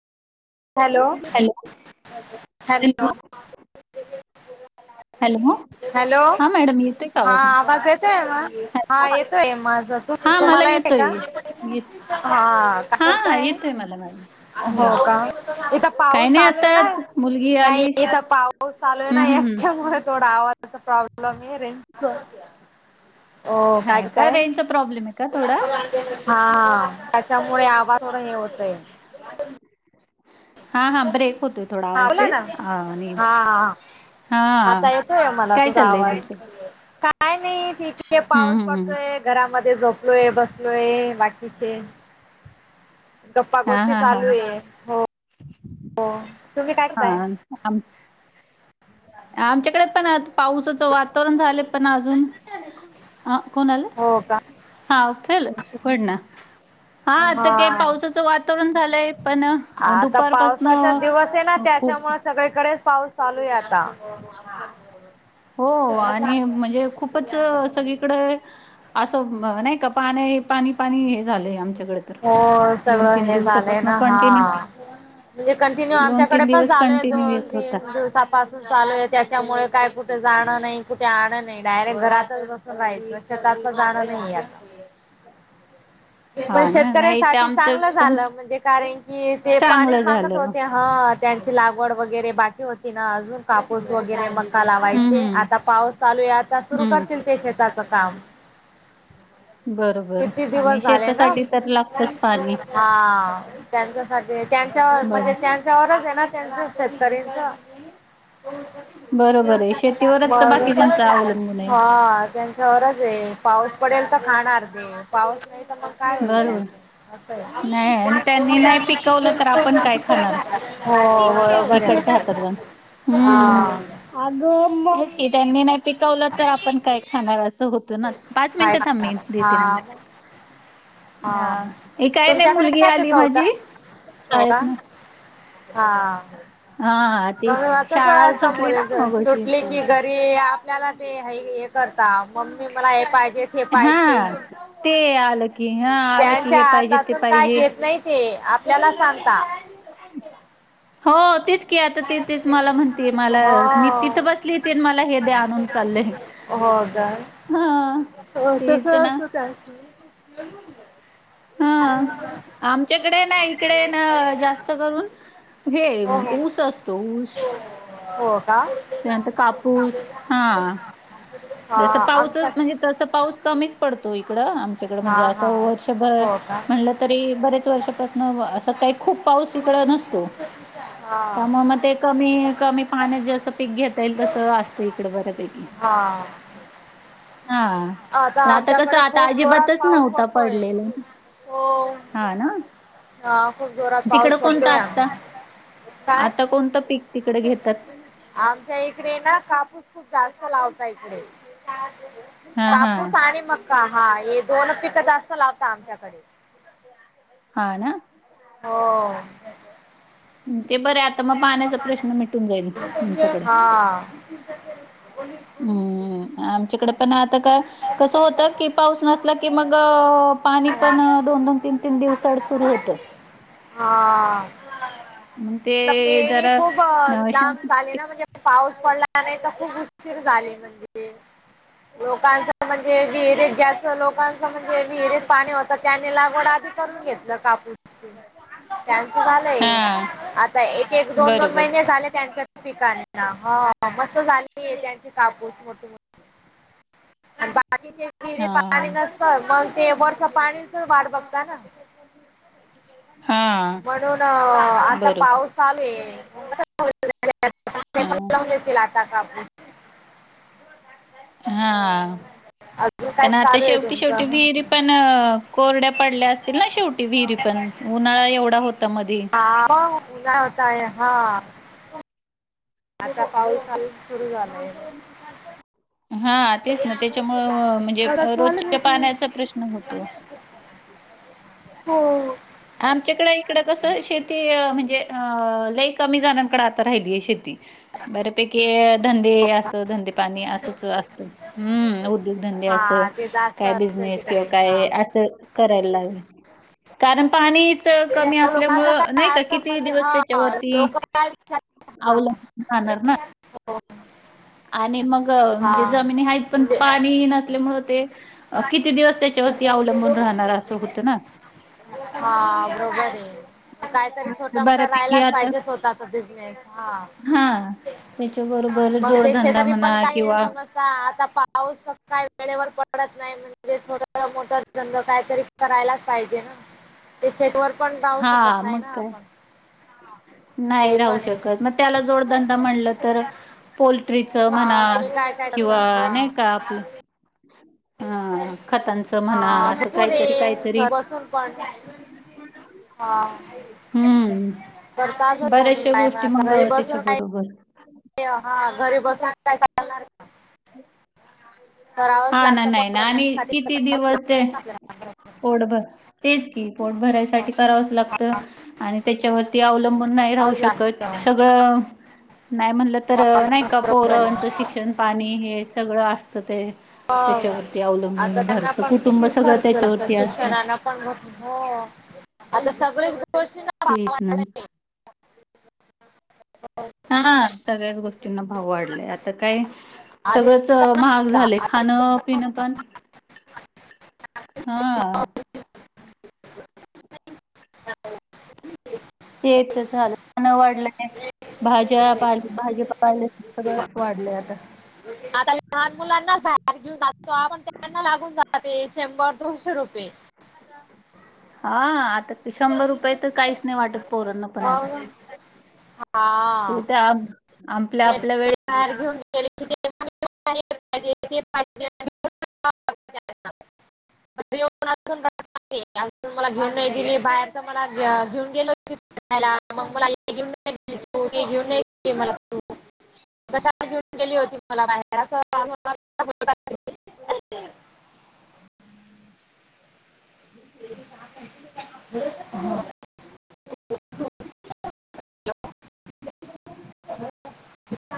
Hello hello hello hello hello हां madam येतोय का हा आवाज येतय ना हा हॅलो येतोय माझाच हां मला तुम्हाला येते येतोय का येत हा का हां करताय येतोय मला मॅडम हो बोला का इथ काय पाऊस नाही चालूय ना आताच मुलगी काय आली इथ हं पाऊस चालू आहे ना हं हं याच्यामुळे थोडा आवाज इथ प्रॉब्लेम आहे रेंजच ओ काय हां का करताय रेंजचा प्रॉब्लेम आहे का थोडा हा त्याच्यामुळे आवाज थोड हे होतय हां हां ब्रेक होतोय थोडा हा आवाज बोला ना तेच हां आणि हा हां आता येतोय मला काय तुझा चाललंय आवाज तुमचं काय नाही तिकडे हं पाऊस हं हं पडतोय घरामध्ये झोपलोय बसलोय बाकीचे गप्पा गोष्टी चालूये काय हा करताय अन् आम आमच्याकडे पण पावसाचं वातावरण झालंय पण अजून ह कोण आलं हो का हा खेल उकडन हा आता काय पावसाच वातावरण झालंय पण आता पावसाचा दुपारपासनं दिवस आहे ना खूप त्याच्यामुळे सगळीकडेच पाऊस चालूय आता हो आणि म्हणजे खूप खूपच सगळीकडे असं नाही का पान हे पाणी पाणी हे झालंय आमच्याकडे तर हो दोन सगळं तीन हे झालंय दिवसापासून ना हा कंटिन्यू म्हणजे कंटिन्यू दोन आमच्याकडे तीन पण दिवस झालय कंटिन्यू दोन येत होता तीन दिवसात पासून चालू आहे त्याच्यामुळे काय कुठे जाणं नाही कुठे आणं नाही डायरेक्ट घरातच बसून रहायचं शेतात तर जाणं नाहीये आता पण हा ना नाही ते शेतकऱ्यांसाठी आमचं चांगलं पण झालं म्हणजे कारण की ते पाणीच चांगलं झालं मागत हम्म होते हा त्यांची लागवड वगैरे बाकी होती ना अजून कापूस वगैरे मग का लावायचे हम्म आता पाऊस चालू आहे आता सुरू हम्म करतील ते शेताच काम बर बर किती दिवस आणि झाले ना शेतासाठी तर लागतच पाणी हा त्यांच्यासाठी त्यांच बर म्हणजे त्यां च्यावरच आहे ना त्यांचं शेतकरींच बरोबर आहे शेतीवरच तर मग बाकीच्यांच अवलंबून आहे हा गरज आहे पाऊस पडेल तर खाणार ते पाऊस नाही तर मग काय होईल बरोबर त्याचं अस नाही आहे आणि त्यांनी नाही पिकवलं तर आपण काय खाणार हो बरोबर आहे इकडच्या ना [inaudible] हा अगं हेच की त्यांनी नाही पिकवलं तर आपण काय खाणार असं होत ना पाच काय मिनिट थांब करणार. मी देेते हा नंतर हा हे काय नाही तुमच्याकडे मुलगी काय आली पिकवता माझी हो का शाळेतन हा हा ती मग तस शाळा असता सुटली ना बोलायचं मगाशी सुटली की घरी ये आपल्याला ते हे करता मम्मी मला हे पाहिजे हे पायजे हा ते आलं की हा आलं की त्यांच्या हे पाहिजे ते हातातून काय पाहिजे घेत नाहीत ते आपल्याला सांगता हो तेच ती आता ती तेच मला म्हणतीये मला मी तिथं हो बसली ती अन मला हे दे आणून चाललंय हो [unintelligible] हा अ तस तेच ना असत त्यां. हा आमच्याकडे ना इकडे न जास्त करून. हे हो हो ऊस असतो ऊस हो का! त्यानंतर कापूस, हा हा जस आमच्या पाऊसच म्हणजे तस पाऊस कमीच पडतो इकडं आमच्याकडं, हा म्हणजे हा असं वर्षभर हो का म्हणलं तरी बरेच वर्षापासन, असं काही खूप पाऊस इकड नसतो. हा! त्यामुळे म ते कमी, कमी पाण्यात जे असं पीक घेता येईल, तस असत इकड बऱ्यापैकी हा हा. आता पण आमच्याकड कसं आता खूप जोरात अजिबातच पाऊस नव्हता पडतोय पडलेला हो. हा ना हा खूप जोरात पाऊस तिकडं कोणता पडतोय. आत्ता [unintelligible] काय? आता कोणतं पीक तिकडे घेतात? आमच्या इकडे ना कापूस खूप जास्त लावता इकडे. हा हा कापूस आणि मक्का, हा हे दोनच पिकं जास्त लावता आमच्याकडे. हा ना. हो! ते बरे आता मग पाण्याचा प्रश्न मिटून जाईल तुमच्याकडं. हा! हूं आमच्याकडे पण आता का. कसं होत की पाऊस नसला की मग पाणी पण, दोन दोन, तीन तीन, दिवसाआड सुरू होतं. हा! मग ते आता पेरंणी जरा खूप न- लांब झाले शेवटी- ना म्हणजे. पाऊस पडला नाही त खूप उशीर झाली म्हणजे. लोकांच म्हणजे विहिरीत जास्त लोकांच म्हणजे विहिरीत पाणी होत. त्यानी लागवड आधी करून घेतलं कापूसची. त्यांचं झालंय, हा आता एक एक, दोन दोन, बरोबर महिने झाले त्यांच्यां पिकांना हो मस्त झालीय त्यांची कापूस मोठ्ठी मो. आण बाकीचे? हा विहिरीत पाणी नसत, मंग ते वरच्यां पाणी च वाट बघता ना. हा म्हणून आता. बरोबर हा [unintelligible] [unintelligible] हा अजून काय पण आता चालू आहे शेवटी, शेवटी तुमचं? विहिरी पण कोरड्या पडल्या असतील ना शेवटी विहिरी पण, उन्हाळा एवढा होता मधी. काय हा! आता पाऊस काल सुरू झालाय. हा तेच ना त्याच्यामुंळ म्हणजे रोजच्या पाण्याचा प्रश्न होतो. हो! आमच्याकड इकडं कसं शेती म्हणजे, अ लई कमी जणांकडे आता राहिलीये शेती. बऱ्यापैकी धंदे, असं धंदे पाणी असच असतं. हूं उद्योगधंदे हा असं, ते जास्त काय असेल बिझनेस तिकडे किंवा हा काय असं. करायला लागले, कारण पाणी च कमी लोकांचं असल्यामुळं, नाही काय का असं किती म्हणजे दिवस हा त्याच्यावरती. लोक काय विचार अवलंबून राहणार ना? आणि मग म्हणजे हा जमिनी आहेत, पण म्हणजे पाणी नसल्यामुळ ते. किती दिवस त्याच्यावरती अवलंबून राहणार असं होतं ना हा बरोबर आहे काहीतरी मग छोटा मोठा बऱ्यापैकी राहायलाच पाहिजेच स्वतःचा बिझनेस हा हा त्याच्याबरोबर जोडधंदा म्हणा किंवा का आता पाऊसच काय वेळेवर पडत नाही ना म्हणजे थोडा छोटा मोठा धंदा कायतरी करायलाच पाहिजे ना तर शेेत वर पण जावू शकत नाही ना आपण अच् [unintelligible] ते नाही राहू पण शकत आहे मग त्याला जोडधंदा म्हणलं तर पोलोल्ट्रीचं म्हणा हा कुणी काय काय करत किंवा हा नाही का आपलं ह खतांच म्हणा हा असं भरपूर काहीतरी आहे काहीतरी घर बसून पण [unintelligible] हा हं. तर का होणी काय ना आता बसून काही [unintelligible] बोल ते हा घरी बसल्यावर काय चालणार हा करावंच ना लागतं नाही पोट ना आणि भरण्यासाठी किती दिवस ते आपल्याला पोट भर तेच की पोट भरायसाठी करावंच लागतं आणि त्याच्यावरती अवलंबून नाही राहू करावंच शकत लागतं सगळं नाही म्हणलं तर नाही का बरोबर पोरांचं आहे शिक्षण पाणी हे सगळं असत ते त्याच्यावरती आता अवलंबून त्यांना घरचं पण कुटुंब किती सगळं खर्च लागतो त्याच्यावरती असतं शिक्षणाला पण हो आता सगळेच गोष्टी ना भाव तेच ना. वाडलाय की हा सगळ्याच गोष्टींना भाव वाढलाय आता काय आधी सगळंच महाग झालय खाणं पिणं पण हा ते झालं पूर्ण वाढलंय भाज्या पाले भाज्या चा पाहिलेस सगळंच वाढलंय आता आता लहान मुलांनाच बाहेर घेऊन जातो आपण त्यांना लागून जाते शंभर दोनशे रुपये हा आता ते शंभर रुपये तर काहीच नाही वाटत पोरांना पण आता मग ते हा त्या आपल्या आपल्या वेळे कार घेऊन ग [unintelligible] [inaudible] येनज [unintelligible] अजून मला घेऊन नाही दिली बाहेर तर मला घेऊन गेलो ला मग मला घेऊन तू घेऊन नाही गे मला तू [unintelligible] कशाला घेऊन गेली होतीस मला बाहेर [unintelligible] ह